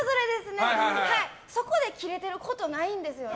そこで切れてることないんですよね。